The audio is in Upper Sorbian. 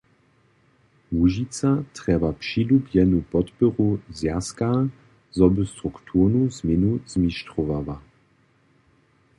Łužica trjeba přilubjenu podpěru Zwjazka, zo by strukturnu změnu zmištrowała.